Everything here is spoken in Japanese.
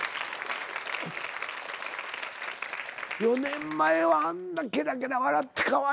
４年前はあんなケラケラ笑ってカワイイだけ。